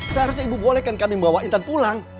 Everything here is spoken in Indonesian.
seharusnya ibu boleh kan bawa intan pulang